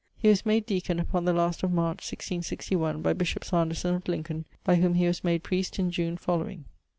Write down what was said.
He was made deacon upon the last of March, 1661, by bishop Sanderson of Lincoln, by whom he was made priest in June following.